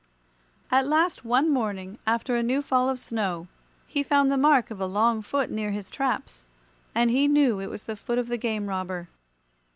At last one morning, after a new fall of snow, he found the mark of a long foot near his traps, and he knew it was the foot of the game robber.